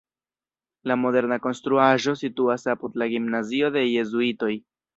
La moderna konstruaĵo situas apud la gimnazio de jezuitoj.